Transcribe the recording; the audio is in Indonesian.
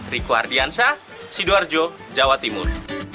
riku ardiansyah sidoarjo jawa timur